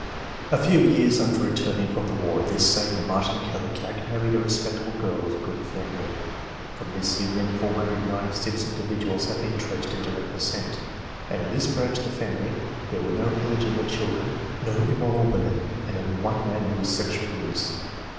A few years after returning from the war this same Martin Kallikak married a respectable girl of good family. Prom this union 496 individuals have been traced in direct descent, and in this branch of the family there were no illegitimate children, no immoral women, and only one man who was sexually loose.